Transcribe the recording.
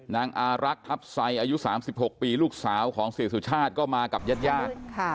นางอารักษ์ทัพไซอายุ๓๖ปีลูกสาวของเสียสุชาติก็มากับญาติญาติ